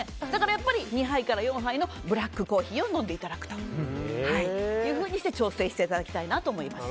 やっぱり２杯から４杯のブラックコーヒーを飲んでいただくというようにして調整していただきたいなと思います。